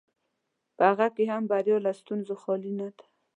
په هغه کې هم بریا له ستونزو خالي نه ده.